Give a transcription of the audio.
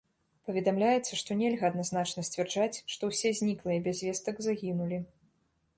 Паведамляецца, што нельга адназначна сцвярджаць, што ўсе зніклыя без вестак загінулі.